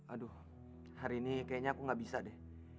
aduh hari ini kayaknya aku gak bisa deh